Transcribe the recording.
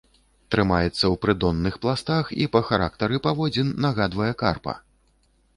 Трымаецца ў прыдонных пластах і па характары паводзін нагадвае карпа.